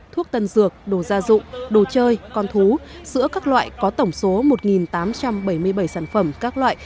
thuốc tân dược đồ gia dụng đồ chơi con thú sữa các loại có tổng số một tám trăm bảy mươi bảy sản phẩm các loại